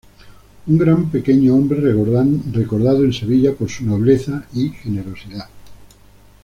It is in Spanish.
Un gran pequeño hombre, recordado en Sevilla por su nobleza y generosidad.